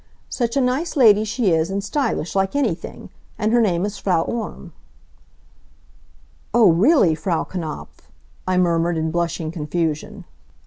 "Such a nice lady she is, and stylish, like anything! And her name is Frau Orme." "Oh, really, Frau Knapf " I murmured in blushing confusion.